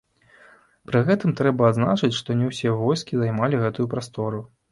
Пры гэтым трэба адзначыць, што не ўсе войскі займалі гэтую прастору.